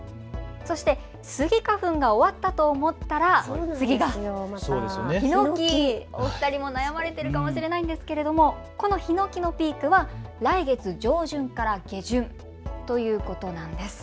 そしてスギ花粉が終わったと思ったら、次がヒノキ、お二人も悩まれているかもしれないんですけどこのヒノキのピークは来月上旬から下旬ということなんです。